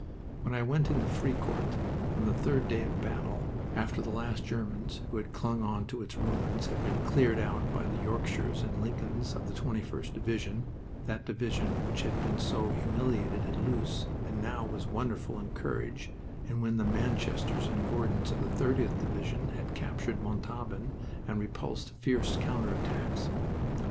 When I went into Fricourt on the third day of battle, after the last Germans, who had clung on to its ruins, had been cleared out by the Yorkshires and Lincolns of the 21st Division, that division which had been so humiliated at Loos and now was wonderful in courage, and when the Manchesters and Gordons of the 30th Division had captured Montauban and repulsed fierce counter attacks.